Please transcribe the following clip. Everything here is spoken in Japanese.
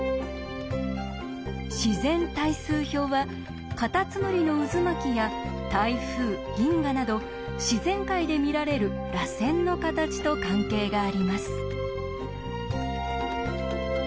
自然対数表はかたつむりの渦巻きや台風銀河など自然界で見られる「らせん」の形と関係があります。